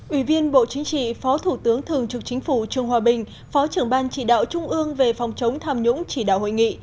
ủy viên bộ chính trị phó thủ tướng thường trực chính phủ trương hòa bình phó trưởng ban chỉ đạo trung ương về phòng chống tham nhũng chỉ đạo hội nghị